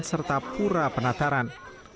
serta pura penataran